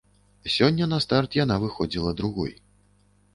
Сёння на старт яна выходзіла другой.